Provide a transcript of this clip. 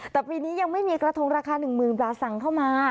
แต่ปีนี้ยังไม่มีกระทงราคา๑๐๐๐บาทสั่งเข้ามา